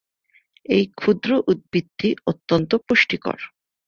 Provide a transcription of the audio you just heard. এই ক্ষুদ্র উদ্ভিদটি অত্যন্ত পুষ্টিকর।